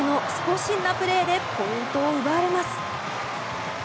神なプレーでポイントを奪われます。